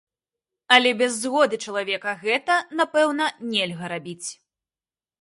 Але без згоды чалавека гэта, напэўна, нельга рабіць.